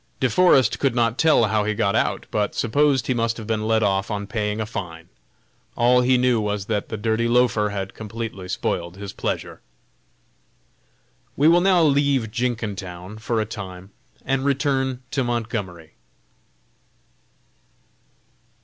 De Forest could not tell how he got out, but supposed he must have been let off on paying a fine; all he knew was that the dirty loafer had completely spoiled his pleasure. We will now leave Jenkintown for a time, and return to Montgomery.